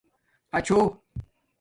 اچھوں